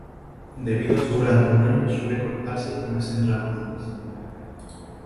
Debido a su gran tamaño, suele cortarse y comerse en rebanadas.